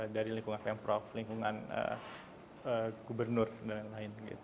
dari lingkungan pemprov lingkungan gubernur dll